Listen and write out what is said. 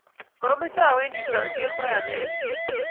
machame awendi sang kemboi anegei